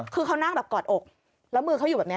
คือเขานั่งแบบกอดอกแล้วมือเขาอยู่แบบนี้